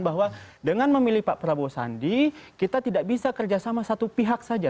bahwa dengan memilih pak prabowo sandi kita tidak bisa kerjasama satu pihak saja